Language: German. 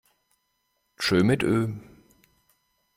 Tschö mit Ö!